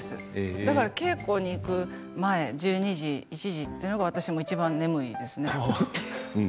稽古に行く前１２時、１時というのが私もいちばん眠いですね。